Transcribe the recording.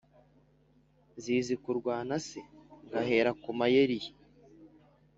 zizikurwana se ngahera kumayeri ye